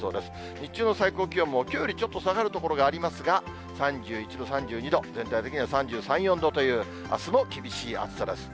日中の最高気温も、きょうよりちょっと下がる所がありますが、３１度、３２度、全体的には３３、４度という、あすも厳しい暑さです。